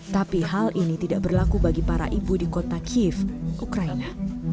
tapi hal ini tidak berlaku bagi para ibu di kota kiev ukraina